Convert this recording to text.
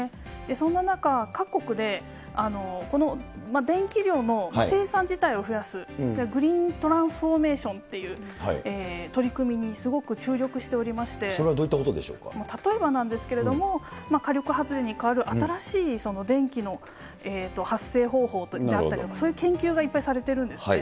そんな中、各国で、電気量の生産自体を増やす、グリーントランスフォーメーションという取り組みにすごく注力しそれはどういったことでしょ例えばなんですけれども、火力発電に代わる新しい電気の発生方法であったりとか、そういう研究がいっぱいされてるんですね。